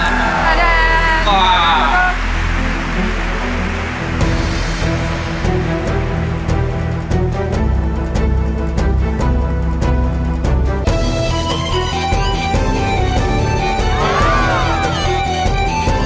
ขอบคุณครับ